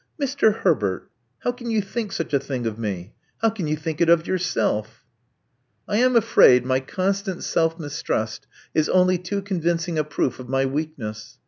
Mr. Herbert! How can you think such a thing of me? How can you think it of yourself?" '*I am afraid my constant self mistrust is only too convincing a proof of my weakness.